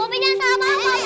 poppy jangan salah mama poppy